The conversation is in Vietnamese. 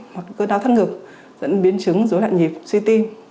hoặc cơ đau thắt ngực dẫn đến biến chứng dối lạnh nhịp suy tim